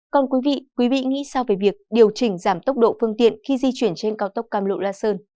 còn quý vị quý vị nghĩ sao về việc điều chỉnh giảm tốc độ phương tiện khi di chuyển trên cao tốc cam lộ la sơn